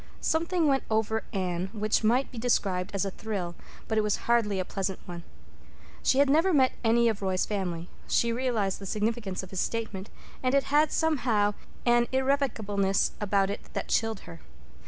Something went over Anne which might be described as a thrill, but it was hardly a pleasant one. She had never met any of Roy's family; she realized the significance of his statement; and it had, somehow, an irrevocableness about it that chilled her.